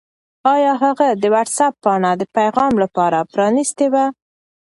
آیا هغه د وټس-اپ پاڼه د پیغام لپاره پرانستې وه؟